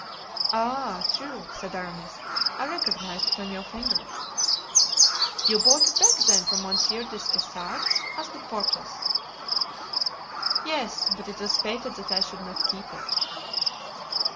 "Ah, true," said Aramis. "I recognized it on your finger." "You bought it back, then, from Monsieur des Essarts?" asked Porthos. "Yes, but it was fated that I should not keep it."